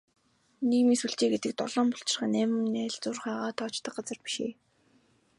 Нийгмийн сүлжээ гэдэг долоон булчирхай, найман найлзуурхайгаа тоочдог газар биш ээ.